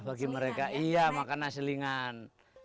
bagi mereka iya makanan selingan